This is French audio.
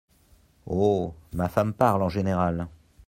Oh ! ma femme parle en général.